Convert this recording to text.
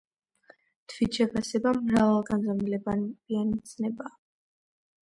თვითშეფასება მრავალგანზომილებიანი ცნებაა.